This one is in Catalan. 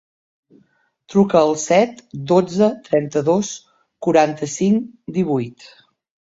Truca al set, dotze, trenta-dos, quaranta-cinc, divuit.